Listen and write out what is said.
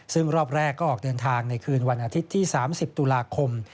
ซึ่งรอบแรกก็ออกเดินทางในคืนวันอาทิตย์ที่๓๐ตุลาคม